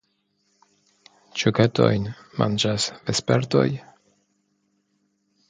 Ĉu katojn manĝas vespertoj?